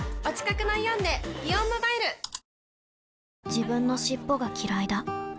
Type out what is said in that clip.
自分の尻尾がきらいだ